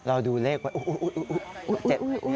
เราดูเลขไว้โอ้โห